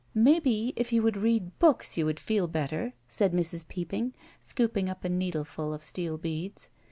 Maybe if you would read books you would feel better," said Mrs. Peopping, scooping up a needleful of steel beads.